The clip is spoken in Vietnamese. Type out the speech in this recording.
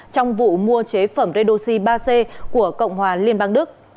trong vụ mua chế phẩm redoxi ba c của cộng hòa liên bang đức